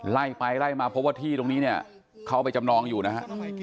ไล่ไปไล่มาเพราะว่าที่ตรงนี้เนี่ยเขาเอาไปจำนองอยู่นะฮะ